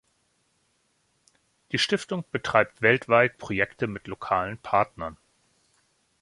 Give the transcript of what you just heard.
Die Stiftung betreibt weltweit Projekte mit lokalen Partnern.